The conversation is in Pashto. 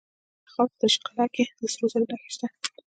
د تخار په دشت قلعه کې د سرو زرو نښې شته.